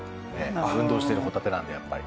運動してるホタテなんでやっぱり。